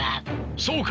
そうか！